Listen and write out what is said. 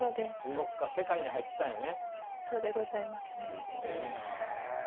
そうでございますね。